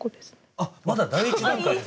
あまだ第１段階ですね。